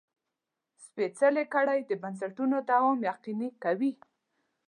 سپېڅلې کړۍ د بنسټونو دوام یقیني کوي.